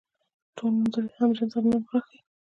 ټول نومځري هم جنس او جمع نوم راښيي.